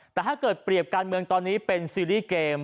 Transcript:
แต่ถ้าเกิดเปรียบการเมืองตอนนี้เป็นซีรีส์เกม